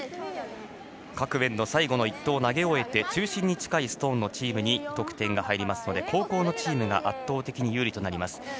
各エンド、最後の一投を投げ終えて中心に近いストーンのチームに得点が入りますので後攻のチームが圧倒的に有利となります。